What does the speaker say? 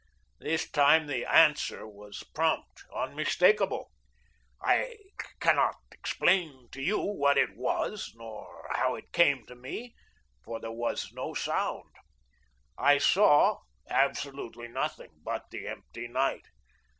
This time the Answer was prompt, unmistakable. I cannot explain to you what it was, nor how it came to me, for there was no sound. I saw absolutely nothing but the empty night.